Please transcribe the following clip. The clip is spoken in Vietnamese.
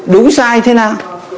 đúng sai thế nào